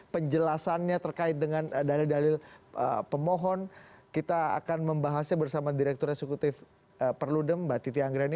permohon kita akan membahasnya bersama direktur eksekutif perludem mbak titi anggreni